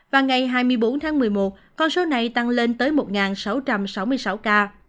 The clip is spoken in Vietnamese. và ngày hai mươi bốn tháng một mươi một con số này tăng lên tới một sáu trăm sáu mươi sáu ca